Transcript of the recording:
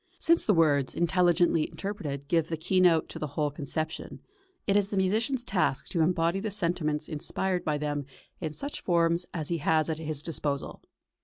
Since the words, intelligently interpreted, give the keynote to the whole conception, it is the musician's task to embody the sentiments inspired by them in such forms as he has at his disposal.